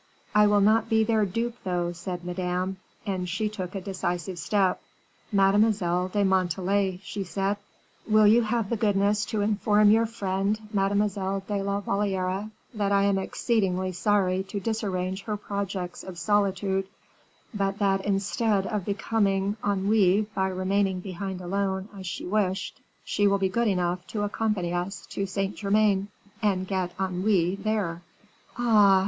"I will not be their dupe though," said Madame, and she took a decisive step. "Mademoiselle de Montalais," she said, "will you have the goodness to inform your friend, Mademoiselle de la Valliere, that I am exceedingly sorry to disarrange her projects of solitude, but that instead of becoming ennuyee by remaining behind alone as she wished, she will be good enough to accompany us to Saint Germain and get ennuyee there." "Ah!